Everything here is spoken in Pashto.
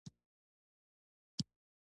_بکس راوړه.